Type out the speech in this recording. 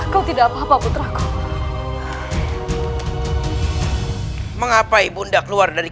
kau tidak usah ikut di sini saja